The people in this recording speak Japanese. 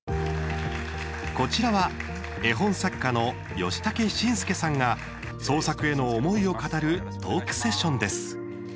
こちらは、絵本作家のヨシタケシンスケさんが創作への思いを語るトークセッションです。